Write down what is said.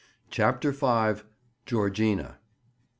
CHAPTER V. GEORGINA.